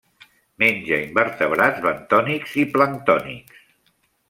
Menja invertebrats bentònics i planctònics.